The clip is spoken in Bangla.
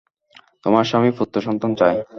তোমার স্বামী পুত্রসন্তান চায়।